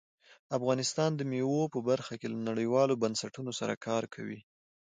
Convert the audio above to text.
افغانستان د مېوو په برخه کې له نړیوالو بنسټونو سره کار کوي.